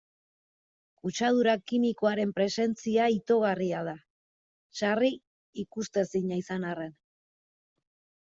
Kutsadura kimikoaren presentzia itogarria da, sarri ikusezina izan arren.